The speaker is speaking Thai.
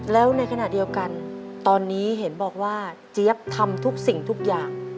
แล้วในขณะเดียวกันตอนนี้เห็นบอกว่าเจี๊ยบทำทุกสิ่งทุกอย่าง